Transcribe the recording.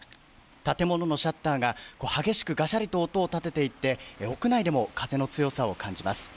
建物のシャッターが激しくガシャリと音を立てていて屋内でも風の強さを感じます。